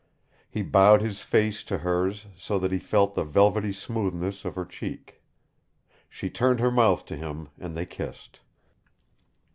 He bowed his face to hers, so that he felt the velvety smoothness of her cheek. She turned her mouth to him, and they kissed.